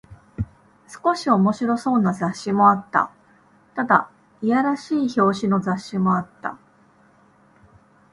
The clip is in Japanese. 少し面白そうな雑誌もあった。ただ、いやらしい表紙の雑誌もあった。